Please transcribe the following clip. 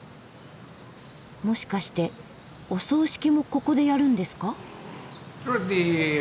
もしかしてお葬式もここでやるんですか？